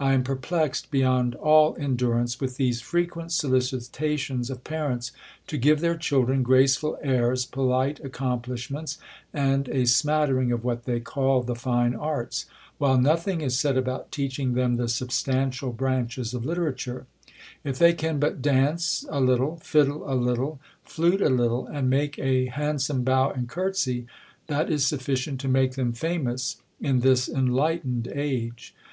I am perplexed be yond all endurance with these frequent solicitations of parents, to give their children graceful airs, polite ac complishments, and a smattering of what they call the fine arts ; while nothing is said about teaching them the substantial branches of literature^ If they can but dance a little, fiddle a little, flute a litde, and make a hand some bow and courtesy, that is sufficient to make themf famous, in this enlightened age.